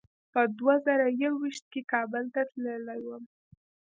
په دوه زره یو ویشت کې کابل ته تللی وم.